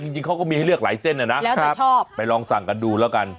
จริงเขาก็มีเลือกหลายเส้นนะไปลองสั่งกันดูแล้วกัน